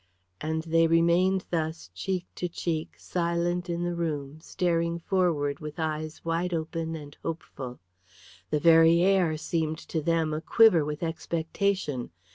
And they remained thus cheek to cheek silent in the room, staring forward with eyes wide open and hopeful. The very air seemed to them a quiver with expectation.